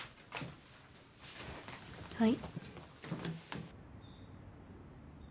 はい。